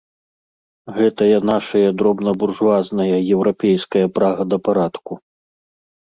Гэтая нашая дробнабуржуазная еўрапейская прага да парадку.